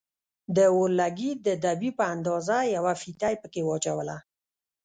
د اورلګيت د دبي په اندازه يوه فيته يې پکښې واچوله.